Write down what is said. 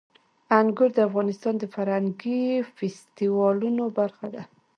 انګور د افغانستان د فرهنګي فستیوالونو برخه ده.